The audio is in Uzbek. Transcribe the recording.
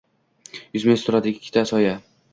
Yuzma-yuz turadi ikkita soya